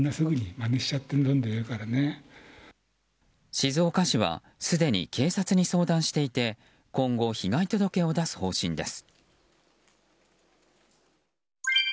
静岡市はすでに警察に相談していて今後、被害届を出す方針です。